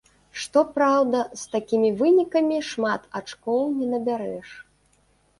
Што праўда, з такімі вынікамі шмат ачкоў не набярэш.